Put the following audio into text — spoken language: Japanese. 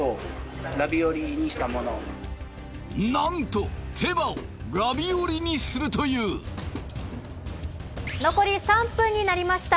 なんと手羽をラビオリにするという残り３分になりました